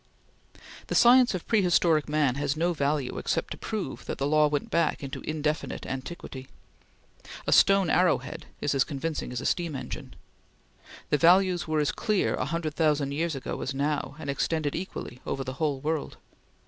The science of prehistoric man has no value except to prove that the law went back into indefinite antiquity. A stone arrowhead is as convincing as a steam engine. The values were as clear a hundred thousand years ago as now, and extended equally over the whole world.